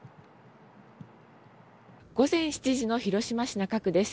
午前７時の広島市中区です。